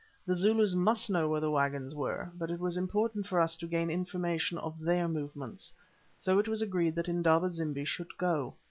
The Zulus must know where the waggons were, but it was important for us to gain information of their movements. So it was agreed that Indaba zimbi should go.